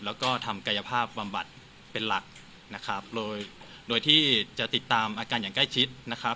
แล้วก็ทำกายภาพบำบัดเป็นหลักนะครับโดยโดยที่จะติดตามอาการอย่างใกล้ชิดนะครับ